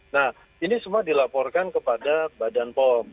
nah ini semua dilaporkan kepada badan pom